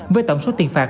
với tổng số tiền phạt